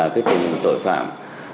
cái tình hình tội phạm